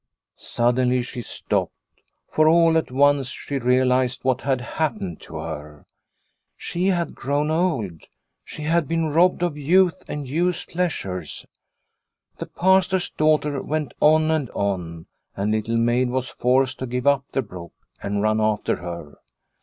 Suddenly she stopped, for all at once she realised what had happened to her. She had grown old, she had been robbed of youth and youth's pleasures. The Pastor's daughter went on and on, and Little Maid was forced to give up the brook and run after her.